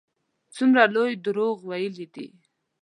څومره لوی دروغ ویلي دي.